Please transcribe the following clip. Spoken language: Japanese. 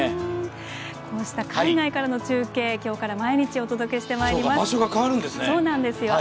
こうした海外からの中継きょうから毎日お届けしてまいります。